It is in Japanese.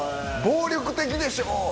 暴力的でしょ。